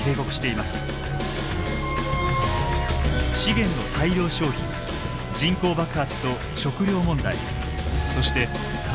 資源の大量消費人口爆発と食料問題そして加速する温暖化。